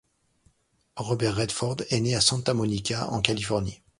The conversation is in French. Robert Redford est né à Santa Monica, en Californie.